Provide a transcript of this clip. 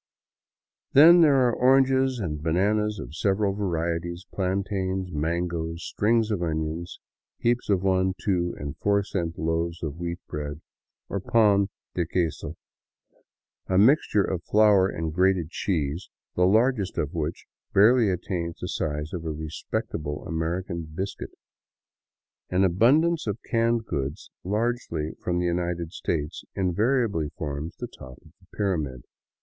Then there are oranges and bananas of several varieties, plantains, mangoes, strings of onions, heaps of one, two, and four cent loaves of wheat bread, or pan de queso, — a mixture of flour and grated cheese — the largest of which barely attains the size of a respectable American biscuit. An abundance of canned goods, largely from the United States, invariably forms the top of the pyramid.